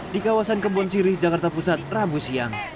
di kawasan kebon sirih jakarta pusat rabu siang